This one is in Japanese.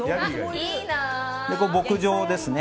牧場ですね。